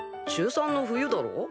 中３の冬だろ？